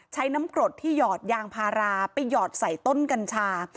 ใช้น้ำกรดที่หยอดยางพาราไปหยอดใส่ต้นกัญชา